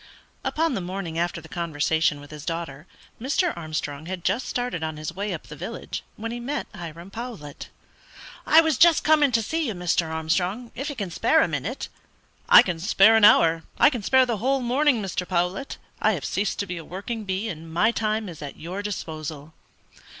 Upon the morning after the conversation with his daughter, Mr. Armstrong had just started on his way up the village when he met Hiram Powlett. "I was just coming to see you, Mr. Armstrong, if you can spare a minute." "I can spare an hour I can spare the whole morning, Mr. Powlett. I have ceased to be a working bee, and my time is at your disposal."